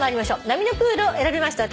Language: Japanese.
「波のプール」を選びました